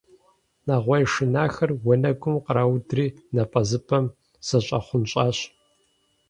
Нэгъуей шынахэр уанэгум къраудри, напӀэзыпӀэм зэщӀахъунщӀащ.